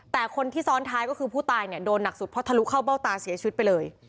แต่คนที่ซ้อนท้ายคือผู้ตายโดนหนักสุดเพราะถรุเข้าเบ้าตาเสียชุดไปเลย